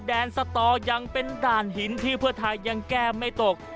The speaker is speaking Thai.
แดนสตอยังเป็นด่านหินที่เพื่อไทยยังแก้ไม่ตก